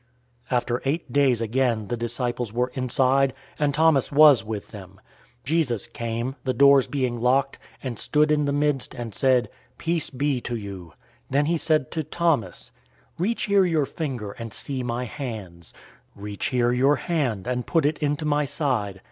020:026 After eight days again his disciples were inside, and Thomas was with them. Jesus came, the doors being locked, and stood in the midst, and said, "Peace be to you." 020:027 Then he said to Thomas, "Reach here your finger, and see my hands. Reach here your hand, and put it into my side.